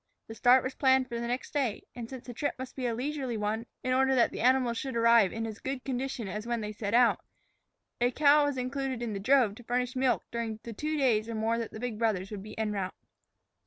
The start was planned for the next day, and since the trip must be a leisurely one in order that the animals should arrive in as good condition as when they set out, a cow was included in the drove to furnish milk during the two days or more that the big brothers would be en route.